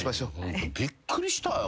びっくりしたよ。